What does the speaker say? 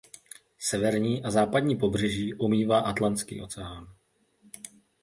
Severní a západní pobřeží omývá Atlantský oceán.